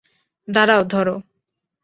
দাঁড়াও, ধরো।